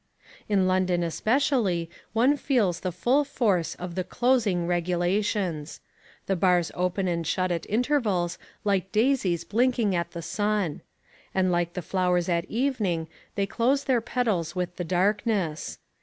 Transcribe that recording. In London especially one feels the full force of the "closing" regulations. The bars open and shut at intervals like daisies blinking at the sun. And like the flowers at evening they close their petals with the darkness.